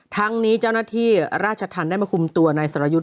ทั้งนี้เจ้าหน้าที่ราชธรรมได้มาคุมตัวนายสรยุทธ์